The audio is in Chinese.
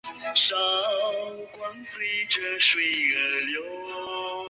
他也是中共党史上最年轻的中央委员。